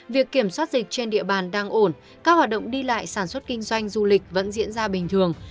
việc kiểm soát dịch trên địa bàn đang ổn các hoạt động đi lại sản xuất kinh doanh du lịch vẫn diễn ra bình thường